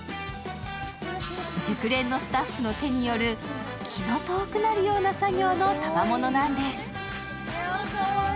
熟練のスタッフの手による気の遠くなるような作業のたまものなんです。